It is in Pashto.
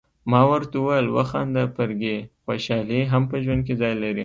ما ورته وویل: وخانده فرګي، خوشالي هم په ژوند کي ځای لري.